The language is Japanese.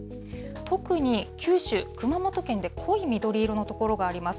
特に九州、熊本県で濃い緑色の所があります。